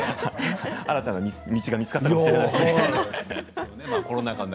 新たな道が見つかったかもしれません。